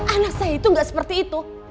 anak saya itu nggak seperti itu